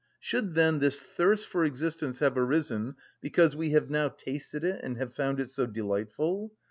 Should, then, this thirst for existence have arisen because we have now tasted it and have found it so delightful?